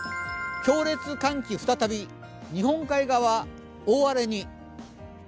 強烈寒気再び日本海側、大荒れに。